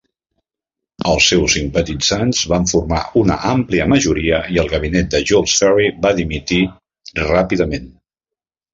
Els seus simpatitzants van formar una àmplia majoria i el gabinet de Jules Ferry va dimitir ràpidament.